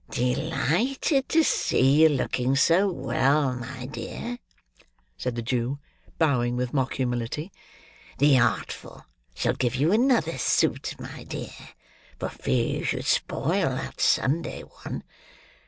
"Delighted to see you looking so well, my dear," said the Jew, bowing with mock humility. "The Artful shall give you another suit, my dear, for fear you should spoil that Sunday one.